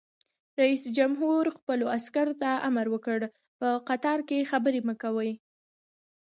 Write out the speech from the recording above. رئیس جمهور خپلو عسکرو ته امر وکړ؛ په قطار کې خبرې مه کوئ!